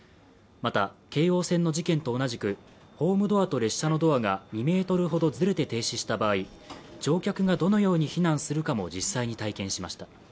また、京王線の事件と同じくホームドアと列車のドアが２ｍほどずれて停止した場合乗客がどのように避難するかも実際に体験しました。